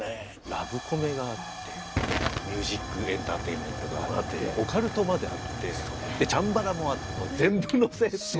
ラブコメがあってミュージックエンターテインメントがあってオカルトまであってチャンバラもあってもう全部乗せっていう。